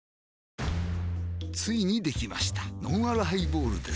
ついにできましたのんあるハイボールです